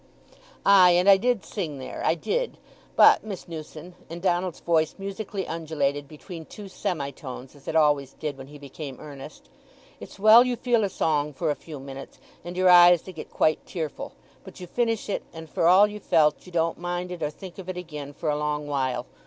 "Ay—and I did sing there—I did—— But, Miss Newson"—and Donald's voice musically undulated between two semi tones as it always did when he became earnest—"it's well you feel a song for a few minutes, and your eyes they get quite tearful; but you finish it, and for all you felt you don't mind it or think of it again for a long while.